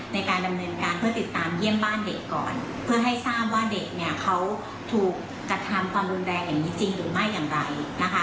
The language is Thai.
ในการดำเนินการเพื่อติดตามเยี่ยมบ้านเด็กก่อนเพื่อให้ทราบว่าเด็กเนี่ยเขาถูกกระทำความรุนแรงอย่างนี้จริงหรือไม่อย่างไรนะคะ